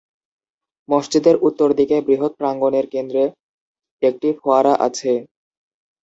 মসজিদের উত্তর দিকে বৃহৎ প্রাঙ্গণের কেন্দ্রে একটি ফোয়ারা আছে।